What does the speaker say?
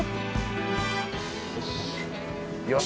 よし。